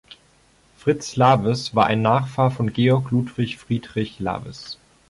Fritz Laves war ein Nachfahr von Georg Ludwig Friedrich Laves.